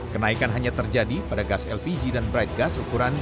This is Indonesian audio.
kenaikan hanya terjadi pada gas lpg dan bright gas ukuran dua belas kg